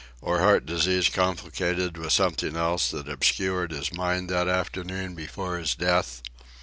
Or heart disease complicated with something else that obscured his mind that afternoon before his death?